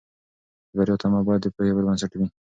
د بریا تمه باید د پوهې پر بنسټ وي.